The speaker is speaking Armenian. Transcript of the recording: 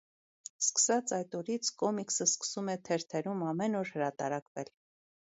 Սկսած այդ օրից՝ կոմիքսը սկսում է թերթերում ամեն օր հրատարակվել։